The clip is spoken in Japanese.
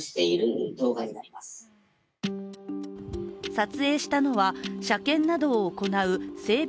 撮影したのは車検などを行う整備